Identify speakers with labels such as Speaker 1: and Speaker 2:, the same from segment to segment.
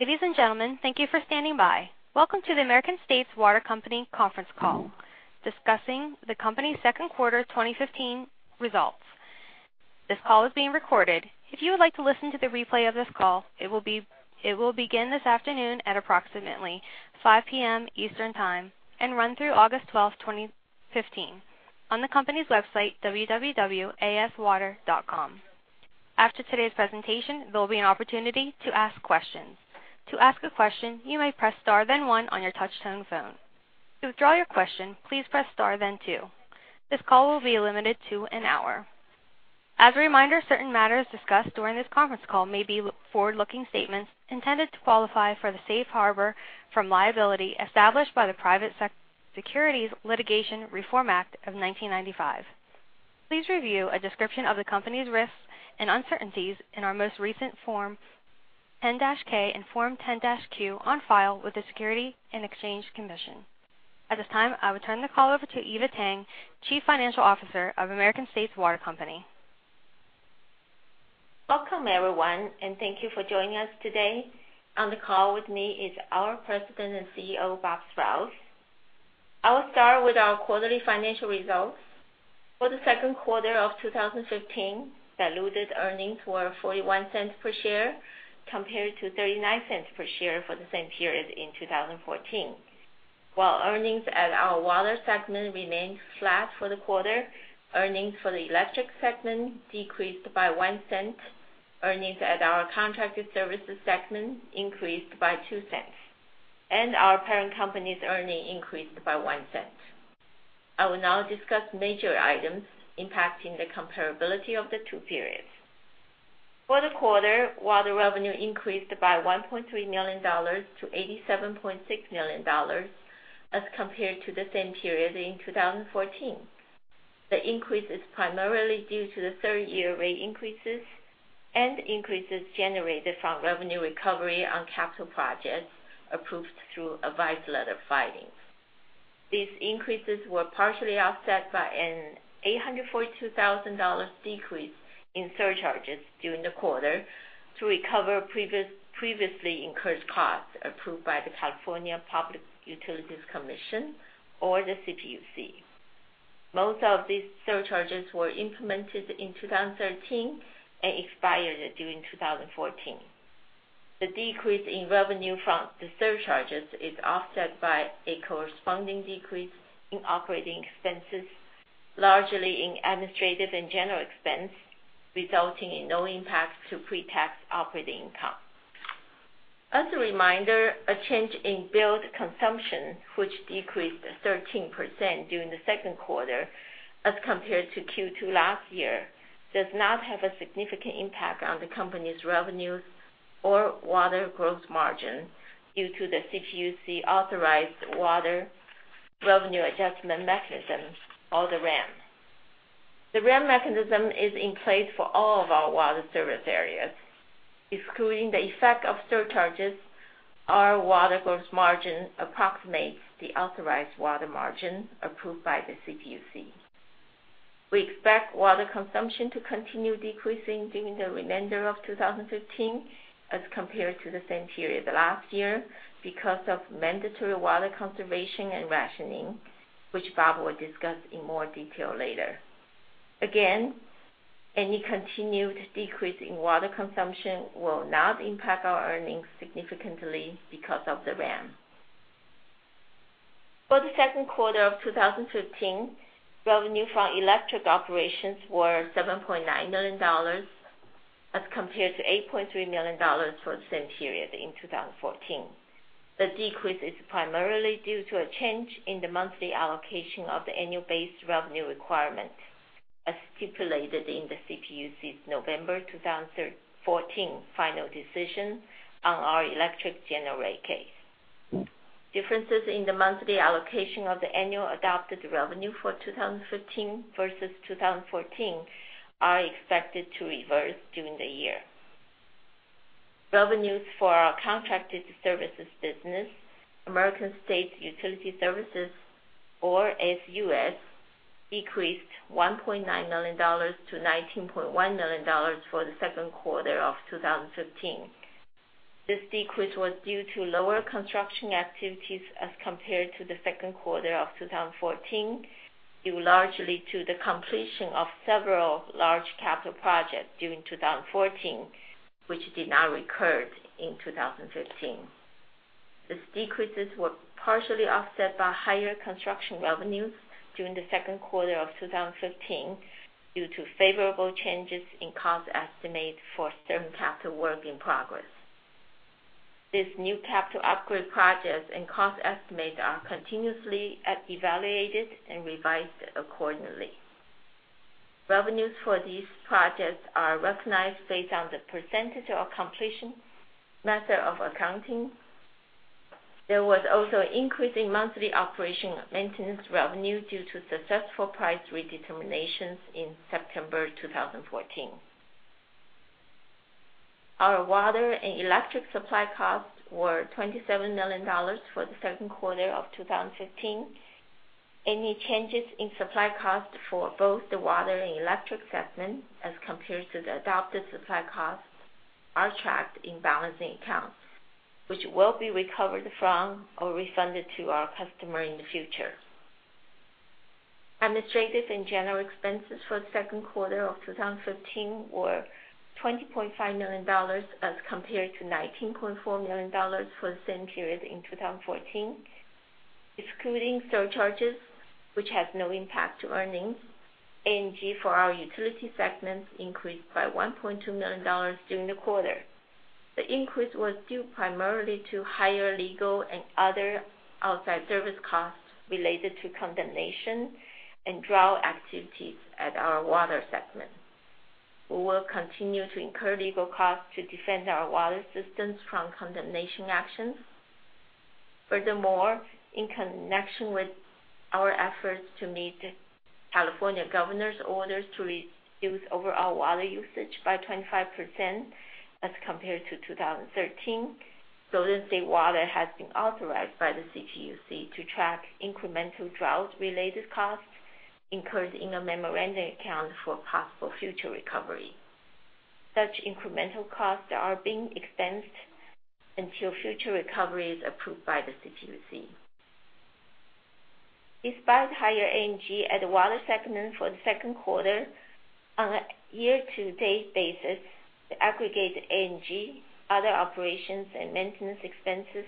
Speaker 1: Ladies and gentlemen, thank you for standing by. Welcome to the American States Water Company conference call discussing the company's second quarter 2015 results. This call is being recorded. If you would like to listen to the replay of this call, it will begin this afternoon at approximately 5:00 P.M. Eastern Time and run through August 12th, 2015, on the company's website, www.aswater.com. After today's presentation, there will be an opportunity to ask questions. To ask a question, you may press star then one on your touch-tone phone. To withdraw your question, please press star then two. This call will be limited to an hour. As a reminder, certain matters discussed during this conference call may be forward-looking statements intended to qualify for the safe harbor from liability established by the Private Securities Litigation Reform Act of 1995. Please review a description of the company's risks and uncertainties in our most recent Form 10-K and Form 10-Q on file with the Securities and Exchange Commission. At this time, I would turn the call over to Eva Tang, Chief Financial Officer of American States Water Company.
Speaker 2: Welcome, everyone, and thank you for joining us today. On the call with me is our President and CEO, Bob Sprowls. I will start with our quarterly financial results. For the second quarter of 2015, diluted earnings were $0.41 per share compared to $0.39 per share for the same period in 2014. While earnings at our water segment remained flat for the quarter, earnings for the electric segment decreased by $0.01. Earnings at our contracted services segment increased by $0.02, and our parent company's earnings increased by $0.01. I will now discuss major items impacting the comparability of the two periods. For the quarter, while the revenue increased by $1.3 million to $87.6 million as compared to the same period in 2014. The increase is primarily due to the third-year rate increases and increases generated from revenue recovery on capital projects approved through advice letter filings. These increases were partially offset by an $842,000 decrease in surcharges during the quarter to recover previously incurred costs approved by the California Public Utilities Commission, or the CPUC. Most of these surcharges were implemented in 2013 and expired during 2014. The decrease in revenue from the surcharges is offset by a corresponding decrease in operating expenses, largely in administrative and general expense, resulting in no impact to pre-tax operating income. As a reminder, a change in billed consumption, which decreased 13% during the second quarter as compared to Q2 last year, does not have a significant impact on the company's revenues or water gross margin due to the CPUC-authorized Water Revenue Adjustment Mechanism, or the RAM. The RAM mechanism is in place for all of our water service areas. Excluding the effect of surcharges, our water gross margin approximates the authorized water margin approved by the CPUC. We expect water consumption to continue decreasing during the remainder of 2015 as compared to the same period last year because of mandatory water conservation and rationing, which Bob will discuss in more detail later. Again, any continued decrease in water consumption will not impact our earnings significantly because of the RAM. For the second quarter of 2015, revenue from electric operations was $7.9 million as compared to $8.3 million for the same period in 2014. The decrease is primarily due to a change in the monthly allocation of the annual base revenue requirement, as stipulated in the CPUC's November 2014 final decision on our electric general rate case. Differences in the monthly allocation of the annual adopted revenue for 2015 versus 2014 are expected to reverse during the year. Revenues for our contracted services business, American States Utility Services, or ASUS, decreased $1.9 million to $19.1 million for the second quarter of 2015. This decrease was due to lower construction activities as compared to the second quarter of 2014, due largely to the completion of several large capital projects during 2014, which did not recur in 2015. These decreases were partially offset by higher construction revenues during the second quarter of 2015 due to favorable changes in cost estimates for certain capital work in progress. These new capital upgrade projects and cost estimates are continuously evaluated and revised accordingly. Revenues for these projects are recognized based on the percentage of completion method of accounting. There was also an increase in monthly operation maintenance revenue due to successful price redeterminations in September 2014. Our water and electric supply costs were $27 million for the second quarter of 2015. Any changes in supply cost for both the water and electric segments as compared to the adopted supply costs are tracked in balancing accounts, which will be recovered from or refunded to our customer in the future. Administrative and general expenses for the second quarter of 2015 were $20.5 million as compared to $19.4 million for the same period in 2014. Excluding surcharges, which has no impact to earnings, A&G for our utility segments increased by $1.2 million during the quarter. The increase was due primarily to higher legal and other outside service costs related to condemnation and drought activities at our water segment. We will continue to incur legal costs to defend our water systems from condemnation actions. Furthermore, in connection with our efforts to meet the California governor's orders to reduce overall water usage by 25% as compared to 2013, Golden State Water has been authorized by the CPUC to track incremental drought-related costs incurred in a memorandum account for possible future recovery. Such incremental costs are being expensed until future recovery is approved by the CPUC. Despite higher A&G at the water segment for the second quarter, on a year-to-date basis, the aggregated A&G, other operations, and maintenance expenses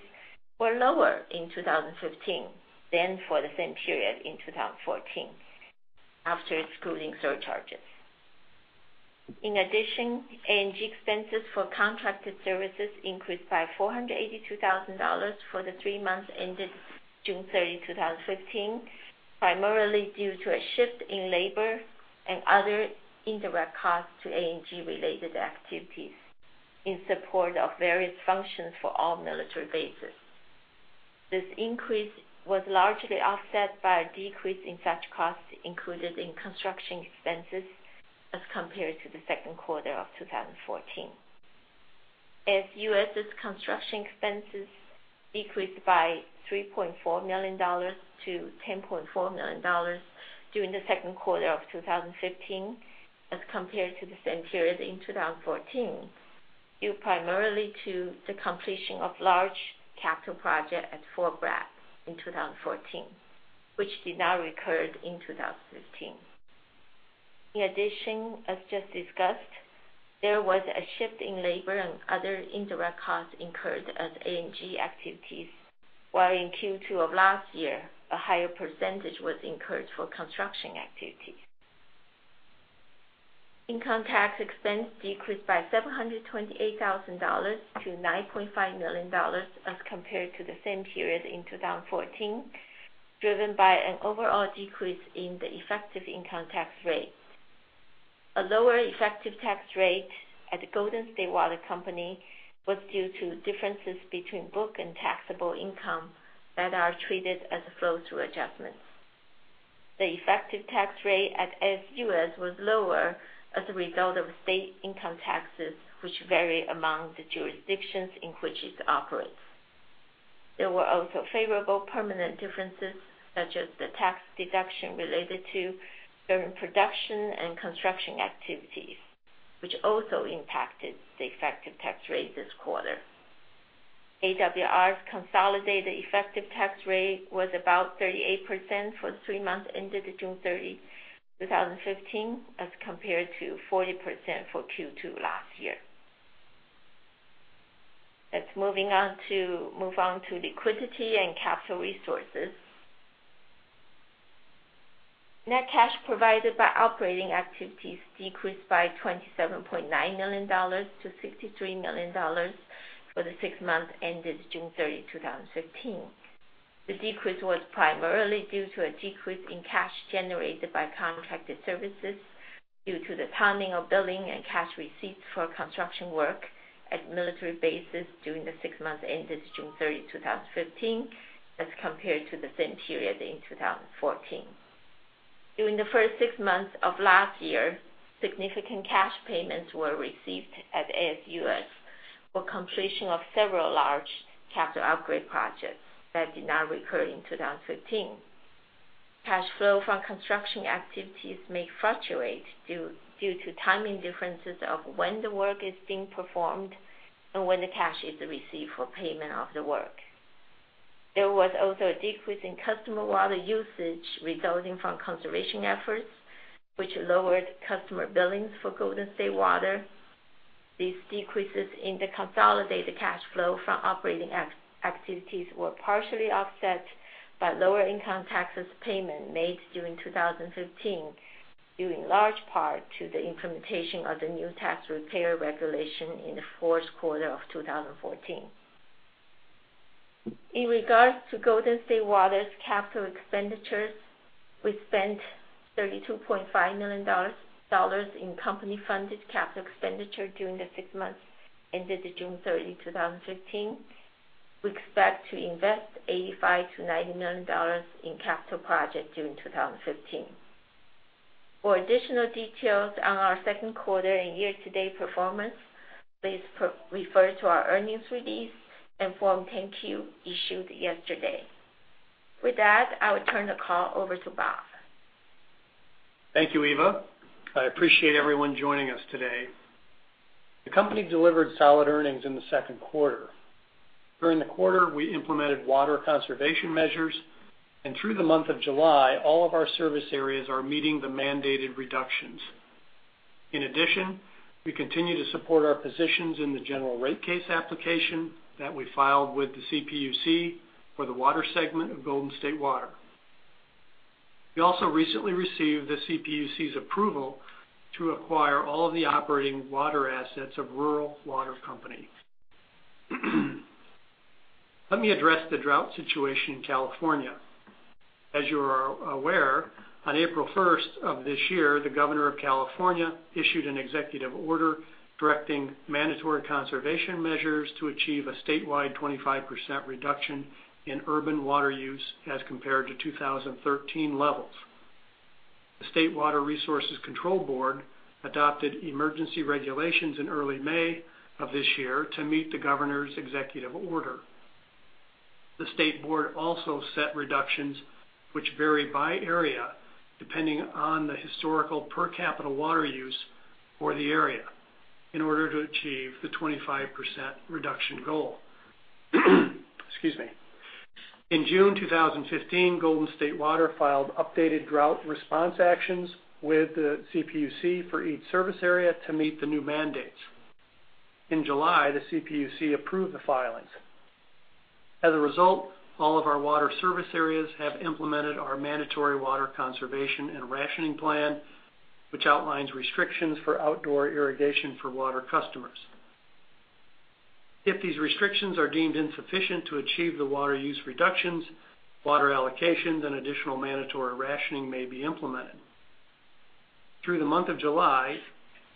Speaker 2: were lower in 2015 than for the same period in 2014, after excluding surcharges. In addition, A&G expenses for contracted services increased by $482,000 for the three months ended June 30, 2015, primarily due to a shift in labor and other indirect costs to A&G-related activities in support of various functions for all military bases. This increase was largely offset by a decrease in such costs included in construction expenses as compared to the second quarter of 2014. ASUS's construction expenses decreased by $3.4 million to $10.4 million during the second quarter of 2015 as compared to the same period in 2014, due primarily to the completion of large capital projects at Fort Bragg in 2014, which did not recur in 2015. As just discussed, there was a shift in labor and other indirect costs incurred as A&G activities, while in Q2 of last year, a higher percentage was incurred for construction activities. Income tax expense decreased by $728,000 to $9.5 million as compared to the same period in 2014, driven by an overall decrease in the effective income tax rate. A lower effective tax rate at Golden State Water Company was due to differences between book and taxable income that are treated as flow-through adjustments. The effective tax rate at ASUS was lower as a result of state income taxes, which vary among the jurisdictions in which it operates. There were also favorable permanent differences, such as the tax deduction related to certain production and construction activities, which also impacted the effective tax rate this quarter. AWR's consolidated effective tax rate was about 38% for the three months ended June 30, 2015, as compared to 40% for Q2 last year. Let's move on to liquidity and capital resources. Net cash provided by operating activities decreased by $27.9 million to $63 million for the six months ended June 30, 2015. The decrease was primarily due to a decrease in cash generated by contracted services due to the timing of billing and cash receipts for construction work at military bases during the six months ended June 30, 2015, as compared to the same period in 2014. During the first six months of last year, significant cash payments were received at ASUS for completion of several large capital upgrade projects that did not recur in 2015. Cash flow from construction activities may fluctuate due to timing differences of when the work is being performed and when the cash is received for payment of the work. There was also a decrease in customer water usage resulting from conservation efforts, which lowered customer billings for Golden State Water. These decreases in the consolidated cash flow from operating activities were partially offset by lower income taxes payment made during 2015, due in large part to the implementation of the new tax repair regulation in the fourth quarter of 2014. In regards to Golden State Water's capital expenditures, we spent $32.5 million in company-funded capital expenditure during the six months ended June 30, 2015. We expect to invest $85 million to $90 million in capital projects during 2015. For additional details on our second quarter and year-to-date performance, please refer to our earnings release and Form 10-Q issued yesterday. With that, I will turn the call over to Bob.
Speaker 3: Thank you, Eva. I appreciate everyone joining us today. The company delivered solid earnings in the second quarter. During the quarter, we implemented water conservation measures, and through the month of July, all of our service areas are meeting the mandated reductions. In addition, we continue to support our positions in the general rate case application that we filed with the CPUC for the water segment of Golden State Water. We also recently received the CPUC's approval to acquire all of the operating water assets of Rural Water Company. Let me address the drought situation in California. As you are aware, on April 1st of this year, the Governor of California issued an executive order directing mandatory conservation measures to achieve a statewide 25% reduction in urban water use as compared to 2013 levels. The State Water Resources Control Board adopted emergency regulations in early May of this year to meet the governor's executive order. The state board also set reductions, which vary by area, depending on the historical per capita water use for the area in order to achieve the 25% reduction goal. Excuse me. In June 2015, Golden State Water filed updated drought response actions with the CPUC for each service area to meet the new mandates. In July, the CPUC approved the filings. As a result, all of our water service areas have implemented our mandatory water conservation and rationing plan, which outlines restrictions for outdoor irrigation for water customers. If these restrictions are deemed insufficient to achieve the water use reductions, water allocations and additional mandatory rationing may be implemented. Through the month of July,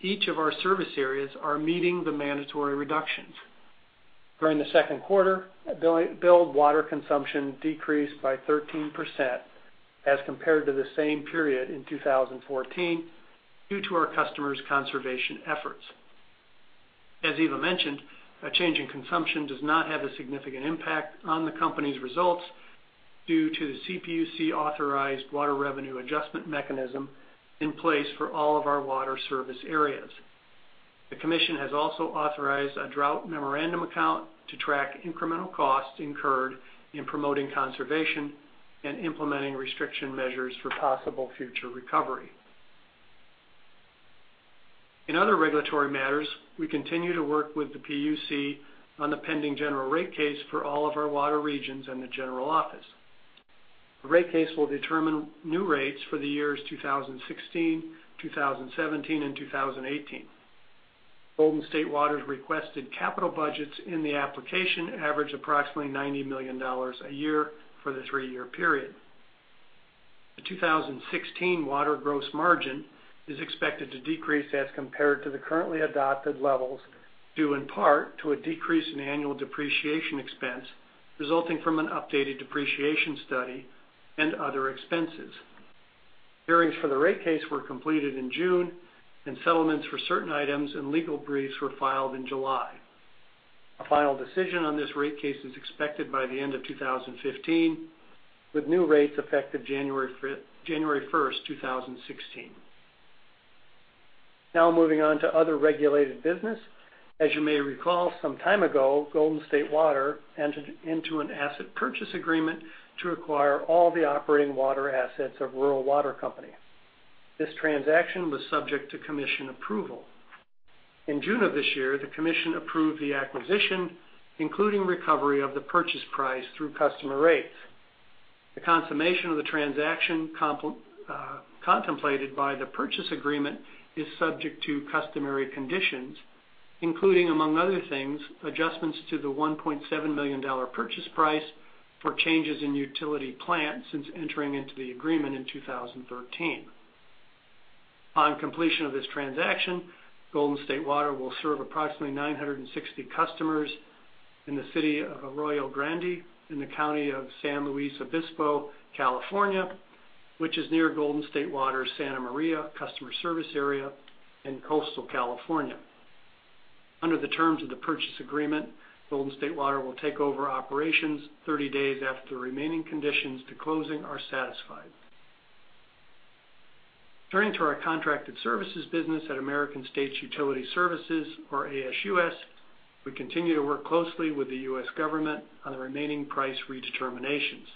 Speaker 3: each of our service areas are meeting the mandatory reductions. During the second quarter, billed water consumption decreased by 13% as compared to the same period in 2014 due to our customers' conservation efforts. As Eva mentioned, a change in consumption does not have a significant impact on the company's results due to the CPUC-authorized Water Revenue Adjustment Mechanism in place for all of our water service areas. The commission has also authorized a drought memorandum account to track incremental costs incurred in promoting conservation and implementing restriction measures for possible future recovery. In other regulatory matters, we continue to work with the CPUC on the pending general rate case for all of our water regions and the general office. The rate case will determine new rates for the years 2016, 2017, and 2018. Golden State Water's requested capital budgets in the application average approximately $90 million a year for the three-year period. The 2016 water gross margin is expected to decrease as compared to the currently adopted levels, due in part to a decrease in annual depreciation expense resulting from an updated depreciation study and other expenses. Hearings for the rate case were completed in June, and settlements for certain items and legal briefs were filed in July. A final decision on this rate case is expected by the end of 2015, with new rates effective January 1st, 2016. Moving on to other regulated business. As you may recall, some time ago, Golden State Water entered into an asset purchase agreement to acquire all the operating water assets of Rural Water Company. This transaction was subject to commission approval. In June of this year, the commission approved the acquisition, including recovery of the purchase price through customer rates. The consummation of the transaction contemplated by the purchase agreement is subject to customary conditions, including, among other things, adjustments to the $1.7 million purchase price for changes in utility plant since entering into the agreement in 2013. On completion of this transaction, Golden State Water will serve approximately 960 customers in the city of Arroyo Grande in the County of San Luis Obispo, California, which is near Golden State Water's Santa Maria customer service area in coastal California. Under the terms of the purchase agreement, Golden State Water will take over operations 30 days after remaining conditions to closing are satisfied. Turning to our contracted services business at American States Utility Services, or ASUS, we continue to work closely with the U.S. government on the remaining price redeterminations.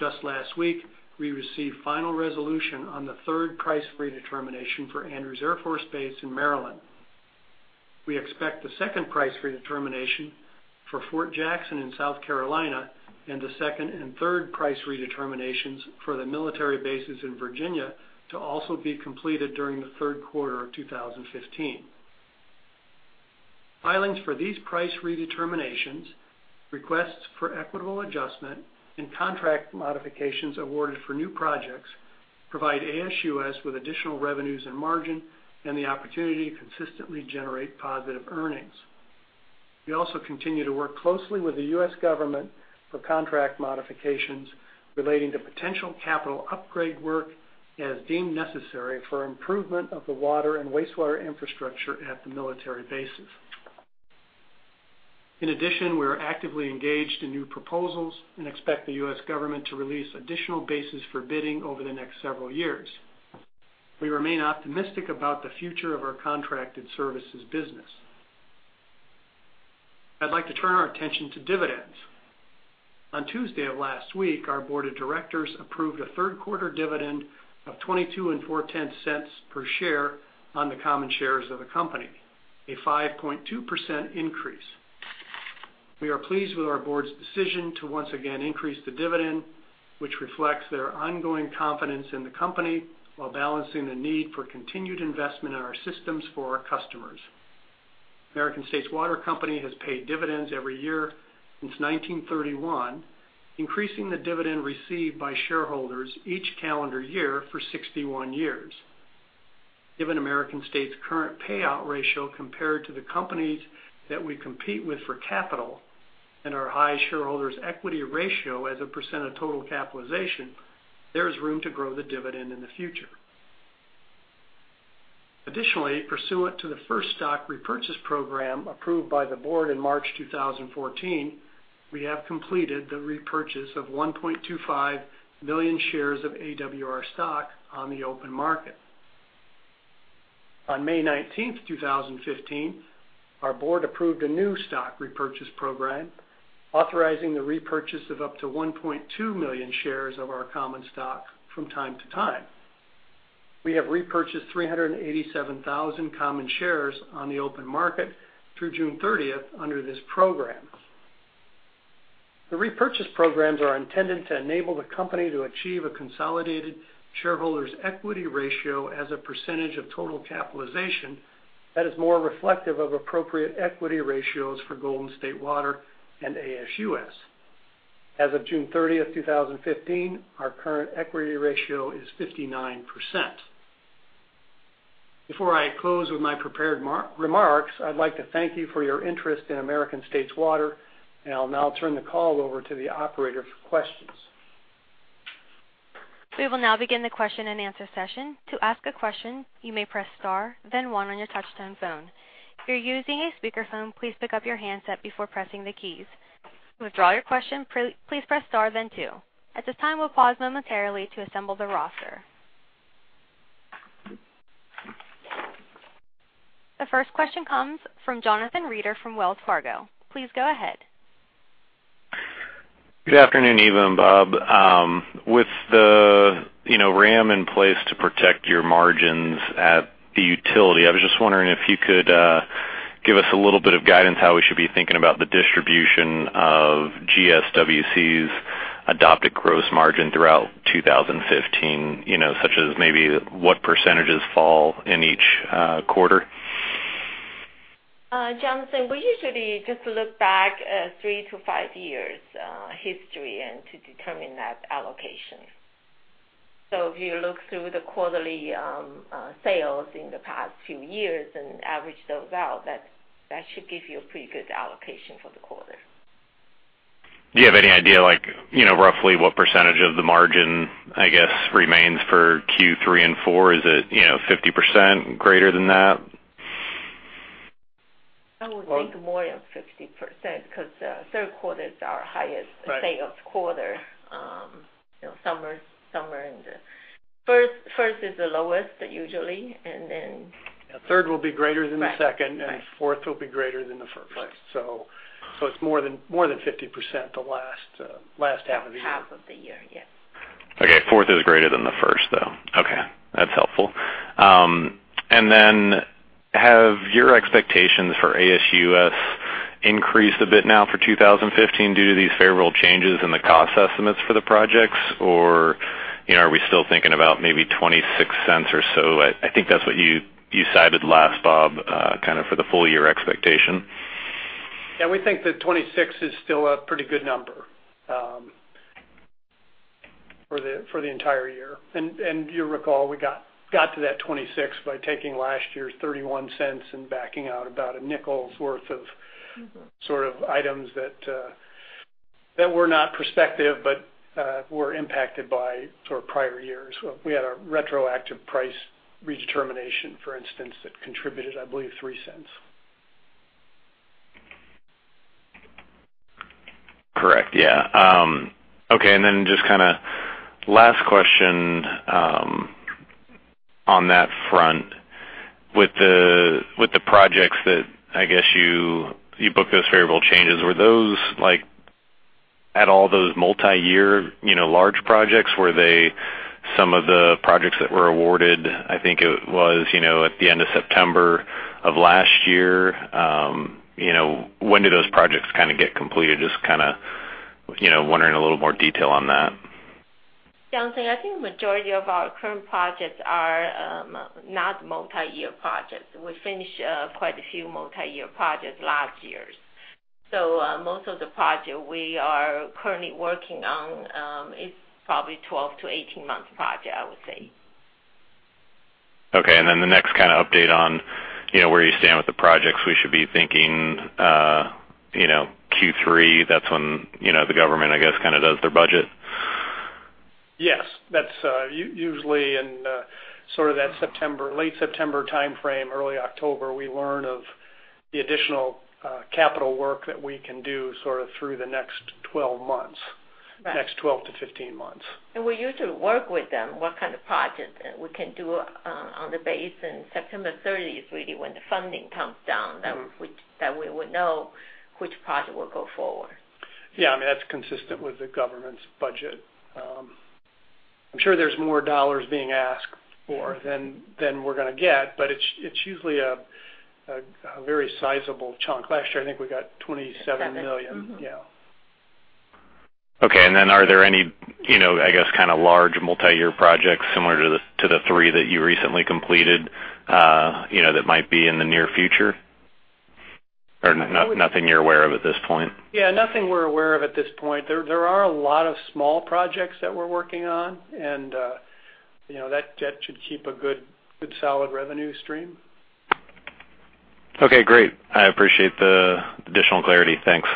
Speaker 3: Just last week, we received final resolution on the third price redetermination for Andrews Air Force Base in Maryland. We expect the second price redetermination for Fort Jackson in South Carolina and the second and third price redeterminations for the military bases in Virginia to also be completed during the third quarter of 2015. Filings for these price redeterminations, requests for equitable adjustment, and contract modifications awarded for new projects provide ASUS with additional revenues and margin and the opportunity to consistently generate positive earnings. We also continue to work closely with the U.S. government for contract modifications relating to potential capital upgrade work as deemed necessary for improvement of the water and wastewater infrastructure at the military bases. In addition, we are actively engaged in new proposals and expect the U.S. government to release additional bases for bidding over the next several years. We remain optimistic about the future of our contracted services business. I'd like to turn our attention to dividends. On Tuesday of last week, our board of directors approved a third quarter dividend of $0.224 per share on the common shares of the company, a 5.2% increase. We are pleased with our board's decision to once again increase the dividend, which reflects their ongoing confidence in the company while balancing the need for continued investment in our systems for our customers. American States Water Company has paid dividends every year since 1931, increasing the dividend received by shareholders each calendar year for 61 years. Given American States' current payout ratio compared to the companies that we compete with for capital and our high shareholders' equity ratio as a percent of total capitalization, there is room to grow the dividend in the future. Additionally, pursuant to the first stock repurchase program approved by the board in March 2014, we have completed the repurchase of 1.25 million shares of AWR stock on the open market. On May 19th, 2015, our board approved a new stock repurchase program authorizing the repurchase of up to 1.2 million shares of our common stock from time to time. We have repurchased 387,000 common shares on the open market through June 30th under this program. The repurchase programs are intended to enable the company to achieve a consolidated shareholders' equity ratio as a percentage of total capitalization that is more reflective of appropriate equity ratios for Golden State Water and ASUS. As of June 30th, 2015, our current equity ratio is 59%. Before I close with my prepared remarks, I'd like to thank you for your interest in American States Water. I'll now turn the call over to the Operator for questions.
Speaker 1: We will now begin the question-and-answer session. To ask a question, you may press star then one on your touchtone phone. If you're using a speakerphone, please pick up your handset before pressing the keys. To withdraw your question, please press star then two. At this time, we'll pause momentarily to assemble the roster. The first question comes from Jonathan Reeder from Wells Fargo. Please go ahead.
Speaker 4: Good afternoon, Eva and Bob. With the RAM in place to protect your margins at the utility, I was just wondering if you could give us a little bit of guidance how we should be thinking about the distribution of GSWC's adopted gross margin throughout 2015, such as maybe what % fall in each quarter.
Speaker 2: Jonathan, we usually just look back three to five years' history to determine that allocation. If you look through the quarterly sales in the past few years and average those out, that should give you a pretty good allocation for the quarter.
Speaker 4: Do you have any idea, roughly what percentage of the margin, I guess, remains for Q3 and 4? Is it 50%? Greater than that?
Speaker 2: I would think more than 50%, because third quarters are highest.
Speaker 4: Right
Speaker 2: sales quarter. first is the lowest, usually, and then.
Speaker 3: third will be greater than the second.
Speaker 2: Right
Speaker 3: Fourth will be greater than the first.
Speaker 2: Right.
Speaker 3: It's more than 50% the last half of the year.
Speaker 2: Half of the year, yes.
Speaker 4: Okay. Fourth is greater than the first, though. Okay, that's helpful. Have your expectations for ASUS increased a bit now for 2015 due to these favorable changes in the cost estimates for the projects? Or are we still thinking about maybe $0.26 or so? I think that's what you cited last, Bob, for the full-year expectation.
Speaker 3: Yeah, we think that 26 is still a pretty good number for the entire year. You recall, we got to that 26 by taking last year's $0.31 and backing out about a $0.05 worth of items that were not prospective but were impacted by prior years. We had a retroactive price redetermination, for instance, that contributed, I believe, $0.03.
Speaker 4: Correct. Yeah. Just last question on that front. With the projects that I guess you book those favorable changes, were those at all those multi-year large projects? Were they some of the projects that were awarded, I think it was at the end of September of last year. When do those projects get completed? Just wondering a little more detail on that.
Speaker 2: Jonathan, I think majority of our current projects are not multi-year projects. We finished quite a few multi-year projects last year. Most of the projects we are currently working on is probably 12- to 18-month project, I would say.
Speaker 4: Okay. The next kind of update on where you stand with the projects, we should be thinking Q3. That's when the government, I guess, kind of does their budget?
Speaker 3: Yes. That's usually in sort of that late September timeframe, early October, we learn of the additional capital work that we can do sort of through the next 12 months.
Speaker 2: Right.
Speaker 3: Next 12 to 15 months.
Speaker 2: We usually work with them, what kind of project we can do on the base, and September 30 is really when the funding comes down, that we would know which project will go forward.
Speaker 3: Yeah. I mean, that's consistent with the government's budget. I'm sure there's more dollars being asked for than we're going to get, but it's usually a very sizable chunk. Last year, I think we got $27 million.
Speaker 2: Seven. Mm-hmm.
Speaker 3: Yeah.
Speaker 4: Okay. Are there any, I guess, kind of large multi-year projects similar to the three that you recently completed, that might be in the near future? Or nothing you're aware of at this point?
Speaker 3: Yeah, nothing we're aware of at this point. There are a lot of small projects that we're working on, and that should keep a good solid revenue stream.
Speaker 4: Okay, great. I appreciate the additional clarity. Thanks.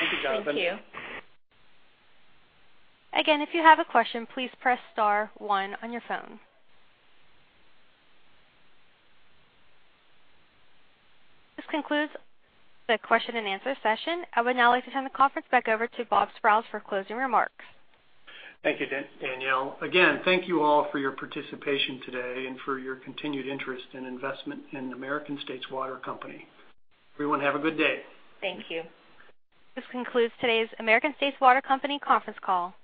Speaker 3: Thank you, Jonathan.
Speaker 2: Thank you.
Speaker 1: If you have a question, please press star one on your phone. This concludes the question and answer session. I would now like to turn the conference back over to Bob Sprowls for closing remarks.
Speaker 3: Thank you, Danielle. Thank you all for your participation today and for your continued interest and investment in American States Water Company. Everyone have a good day.
Speaker 2: Thank you.
Speaker 1: This concludes today's American States Water Company conference call.